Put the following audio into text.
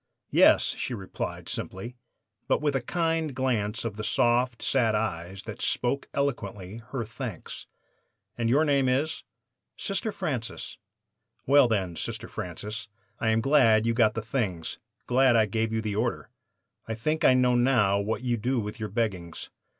"'Yes,' she replied simply, but with a kind glance of the soft, sad eyes, that spoke eloquently her thanks. "'And your name is " "'Sister Francis.' "'Well, then, Sister Francis, I am glad you got the things glad I gave you the order. I think I know now what you do with your beggings.